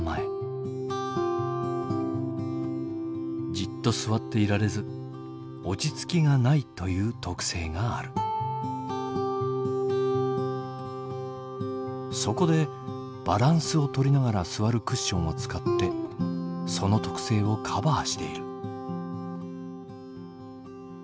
じっと座っていられず落ち着きがないという特性があるそこでバランスをとりながら座るクッションを使ってその特性をカバーしている。